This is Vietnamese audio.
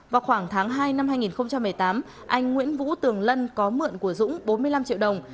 vào khoảng tháng hai năm hai nghìn một mươi tám anh nguyễn vũ tường lân có mượn của dũng bốn mươi năm triệu đồng